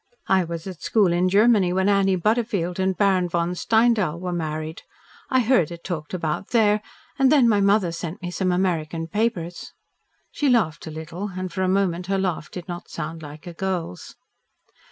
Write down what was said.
I was at school in Germany when Annie Butterfield and Baron von Steindahl were married. I heard it talked about there, and then my mother sent me some American papers." She laughed a little, and for a moment her laugh did not sound like a girl's.